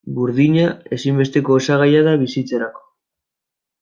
Burdina ezinbesteko osagaia da bizitzarako.